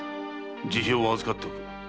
辞表は預かっておく。